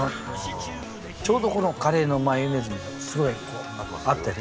ちょうどこのカレーのマヨネーズにもすごいこう合ってる。